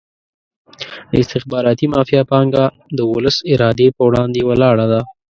د استخباراتي مافیا پانګه د ولس ارادې په وړاندې ولاړه ده.